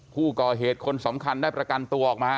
ผู้ก่อเหตุคนสำคัญได้ประกันตัวออกมา